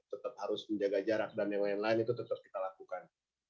tetap harus menjaga jarak dan yang lain lain itu tetap kita lakukan